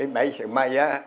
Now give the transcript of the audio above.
bẫy sườn mây á